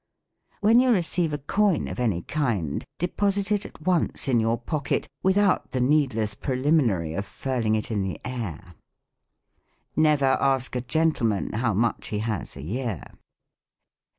When you receive a coin of any kind, deposit it at once in your pocket, without the needless preliminary of furling it in the air. Never ask a gentleman how much he has a year.